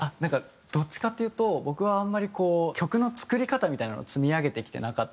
どっちかっていうと僕はあんまりこう曲の作り方みたいなのを積み上げてきてなかったり